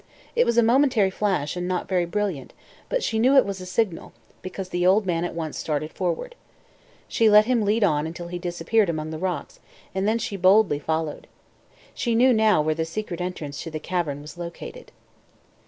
It was a momentary flash and not very brilliant, but she knew it was a signal because the old man at once started forward. She let him lead on until he disappeared among the rocks and then she boldly followed. She knew now where the secret entrance to the cavern was located.